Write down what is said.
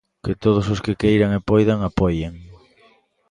Que todos os que queiran e poidan, apoien.